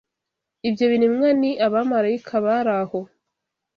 Ibyo biremwa ni abamarayika bari aho